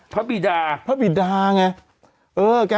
บิดาพระบิดาไง